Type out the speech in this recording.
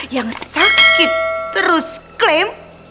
yang sakit terus klaim